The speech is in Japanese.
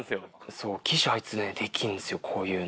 そう岸あいつねできるんですよこういうの。